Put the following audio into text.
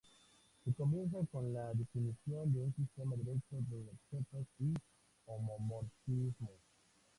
Se comienza con la definición de un sistema directo de objetos y homomorfismos.